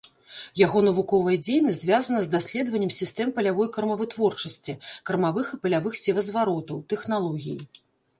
Яго навуковая дзейнасць звязана з даследаваннем сістэм палявой кормавытворчасці, кармавых і палявых севазваротаў, тэхналогій.